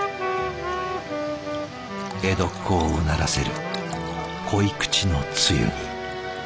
江戸っ子をうならせる濃い口のつゆに。